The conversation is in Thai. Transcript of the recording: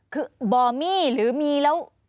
คือบอมี่หรือมีแล้ว